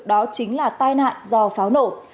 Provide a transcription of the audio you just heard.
đó chính là tai nạn do pháo nổ